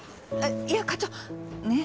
いや課長ねっ？